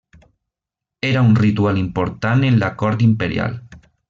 Era un ritual important en la cort imperial.